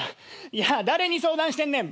いや誰に相談してんねん。